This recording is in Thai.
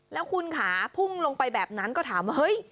แล้วคุณค่ะพุ่งลงไปแบบนั้นก็ถามว่าเฮ้ย